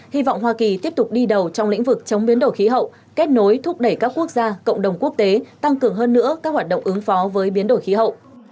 hy vọng hoa kỳ tiếp tục đi đầu trong lĩnh vực chống biến đổi khí hậu kết nối thúc đẩy các quốc gia cộng đồng quốc tế tăng cường hơn nữa các hoạt động ứng phó với biến đổi khí hậu